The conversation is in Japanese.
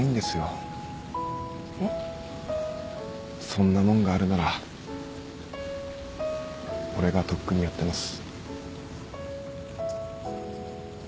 そんなもんがあるなら俺がとっくにやってます。